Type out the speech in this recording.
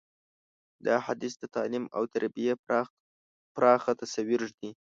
دا حدیث د تعلیم او تربیې پراخه تصویر ږدي.